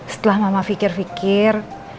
setelah mama fikir fikir